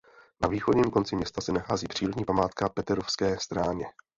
Na východním konci města se nachází přírodní památka Paterovské stráně.